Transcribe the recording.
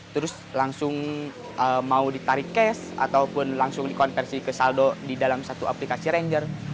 terus langsung mau ditarik cash ataupun langsung dikonversi ke saldo di dalam satu aplikasi ranger